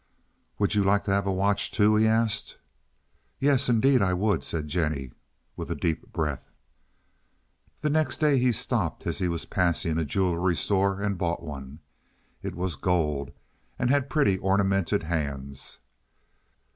"Would you like to have a watch, too?" he asked. "Yes, indeed, I would," said Jennie, with a deep breath. The next day he stopped as he was passing a jewelry store and bought one. It was gold, and had pretty ornamented hands.